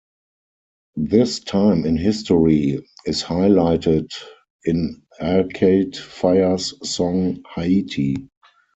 This time in history is highlighted in Arcade Fire's song "Haiti".